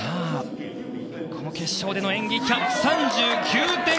この決勝での演技１３９．６０。